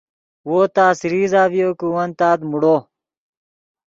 وو تس ریزہ ڤیو کہ ون تات موڑو